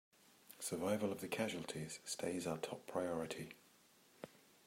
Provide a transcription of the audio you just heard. Survival of the casualties stays our top priority!